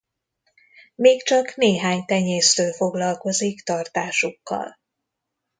Még csak néhány tenyésztő foglalkozik tartásukkal.